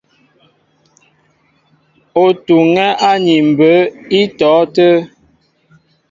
Ó tuŋɛ́ áni mbə̌ í tɔ̌ tə́ə́.